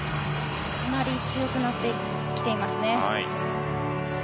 かなり強くなってきていますね。